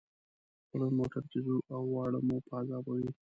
په لوی موټر کې ځو او واړه مو په عذابوي.